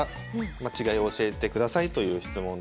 まあ違いを教えてくださいという質問ですね。